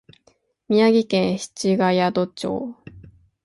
宮城県七ヶ宿町